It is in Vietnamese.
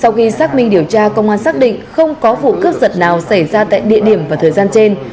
sau khi xác minh điều tra công an xác định không có vụ cướp giật nào xảy ra tại địa điểm và thời gian trên